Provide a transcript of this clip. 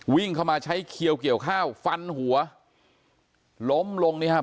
วิ่งเข้ามาใช้เขียวเกี่ยวข้าวฟันหัวล้มลงนี่ครับ